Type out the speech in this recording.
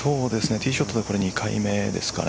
ティーショットでは２回目ですね。